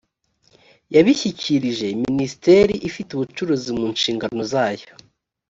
yabishyikirije minisiteri ifite ubucuruzi mu nshingano zayo